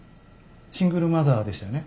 シングルマザーでしたよね？